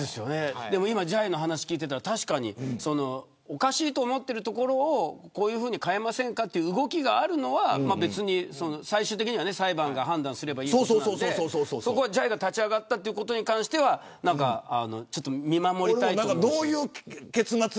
今じゃいの話、聞いていたらおかしいなと思ったところをこういうふうに変えませんかという動きがあるのは最終的には裁判が判断すればいいことなのでそこは、じゃいが立ち上がったことに関しては見守りたいと思います。